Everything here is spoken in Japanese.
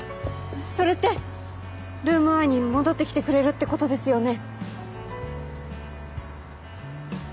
それってルーム１に戻ってきてくれるってことですよね？